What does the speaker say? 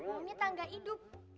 oh ini tangga hidup